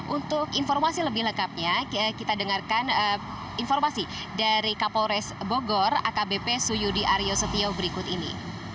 untuk informasi lebih lengkapnya kita dengarkan informasi dari kapolres bogor akbp suyudi aryo setio berikut ini